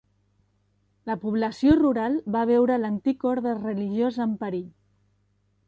La població rural va veure l'antic orde religiós en perill.